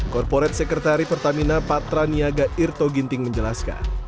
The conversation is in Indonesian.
korporat sekretari pertamina patra niaga irto ginting menjelaskan